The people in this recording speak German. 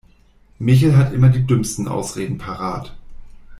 Michel hat immer die dümmsten Ausreden parat.